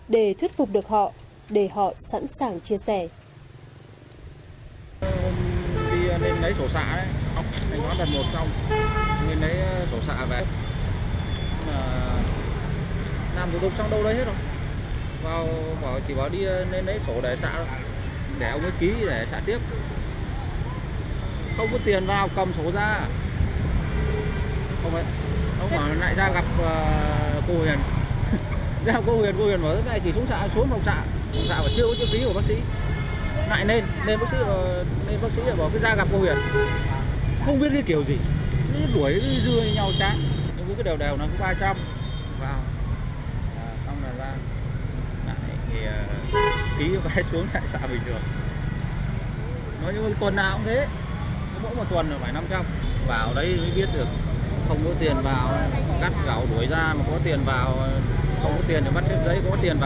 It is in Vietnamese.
để thuyết phục bệnh viện bệnh viện bệnh viện bệnh viện